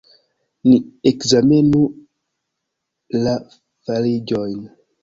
Ni ekzamenu la fariĝojn.